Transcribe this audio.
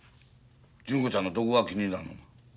純子ちゃんのどこが気に入らんのな？